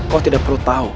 kau tidak perlu tahu